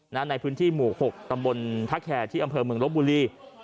ในพื้นที่หมู่๖ตำบลทะแคร์ที่อำเภอเมืองลบบุรี